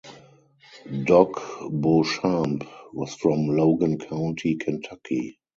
"Doc" Beauchamp was from Logan County, Kentucky.